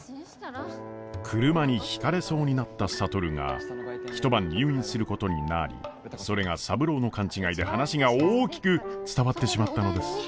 車にひかれそうになった智が一晩入院することになりそれが三郎の勘違いで話が大きく伝わってしまったのです。